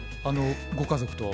ご家族と？